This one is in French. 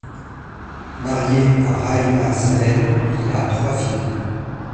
Marié à Rahima Salem, il a trois filles.